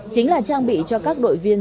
chính là trang bị cho các đội viên